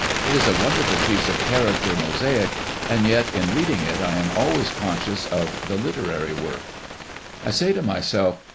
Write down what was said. It is a wonderful piece of character mosaic, and yet in reading it I am always conscious of the literary work. I say to myself.